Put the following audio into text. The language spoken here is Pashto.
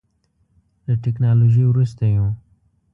له ټکنالوژۍ وروسته یو.